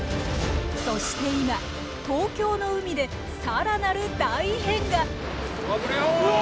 そして今東京の海で更なる大異変が！